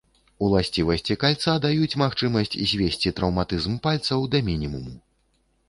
Уласцівасці кальца даюць магчымасць звесці траўматызм пальцаў да мінімуму.